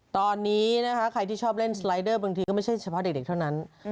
ตอนนี้นะคะใครที่ชอบเล่นสไลเดอร์บางทีก็ไม่ใช่เฉพาะเด็กเท่านั้น